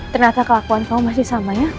ternyata kelakuan kamu masih sama ya